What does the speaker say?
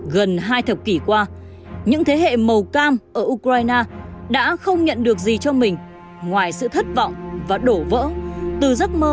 gần hai thập kỷ qua những thế hệ màu cam ở ukraine đã không nhận được gì cho mình ngoài sự thất vọng và đổ vỡ từ giấc mơ dân chủ tự do từng được theo dệt mời gọi